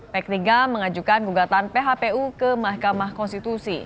p tiga mengajukan gugatan phpu ke mahkamah konstitusi